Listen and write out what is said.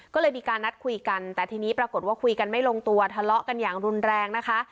ก็เลยมีการนัดคุยกันแต่ทีนี้ปรากฏว่าคุยกันไม่ลงตัวทะเลาะกันอย่างรุนแรงนะคะ